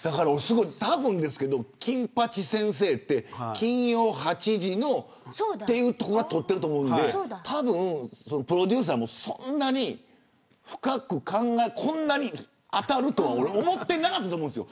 たぶんですけど金八先生は金曜８時のというところから取っていると思うのでたぶんプロデューサーもそんなに深く考えてなくてこんなに当たるとは思ってなかったと思います